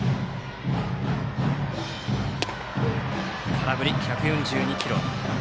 空振り、１４２キロ。